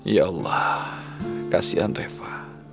ya allah kasihan reva